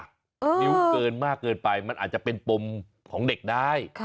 นิ้วเกินมากเกินไปมันอาจจะเป็นปมของเด็กได้